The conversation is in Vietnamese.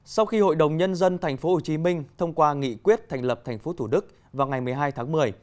sau khi hội đồng nhân dân tp hcm thông qua nghị quyết thành lập tp thủ đức vào ngày một mươi hai tháng một mươi